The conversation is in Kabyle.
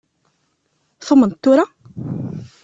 Tumneḍ tura?